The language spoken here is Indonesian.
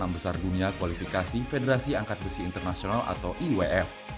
enam besar dunia kualifikasi federasi angkat besi internasional atau iwf